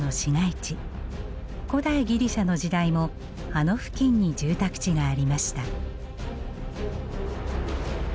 古代ギリシャの時代もあの付近に住宅地がありました。